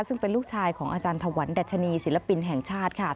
ซึ่งเป็นลูกชายของอาจารย์ถวันดัชนีศิลปินแห่งชาติค่ะ